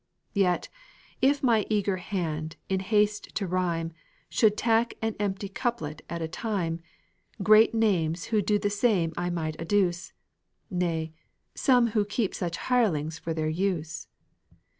Yet, if my eager hand, in haste to rhyme, Should tack an empty couplet at a time, Great names who do the same I might adduce; Nay, some who keep such hirelings for their use.